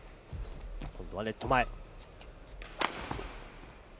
今度はネット前。